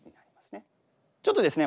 ちょっとですね